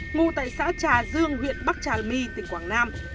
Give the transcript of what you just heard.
ngụ tại xã trà dương huyện bắc trà my tỉnh quảng nam